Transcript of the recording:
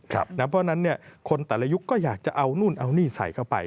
เพราะฉะนั้นคนแต่ละยุคก็อยากจะเอานู่นเอานี่ใส่เข้าไป